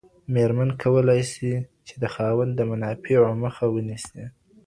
ميرمن کولای سي، چي د خاوند د منافعو مخه ونيسي